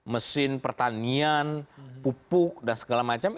mesin pertanian pupuk dan segala macam